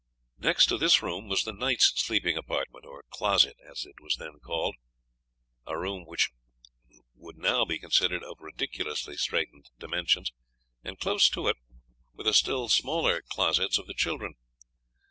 Next to this room was the knight's sleeping apartment, or closet as it was then called, a room which would now be considered of ridiculously straitened dimensions; and close to it were the still smaller closets of the children.